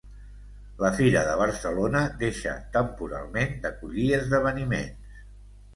La Fira de Barcelona deixa temporalment d'acollir esdeveniments